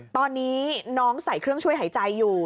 ตอนนี้น้องใส่เครื่องช่วยหายใจอยู่